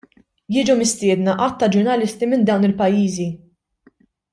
Jiġu mistiedna għadd ta' ġurnalisti minn dawn il-pajjiżi.